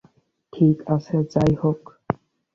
ঠিক আছে, যাইহোক।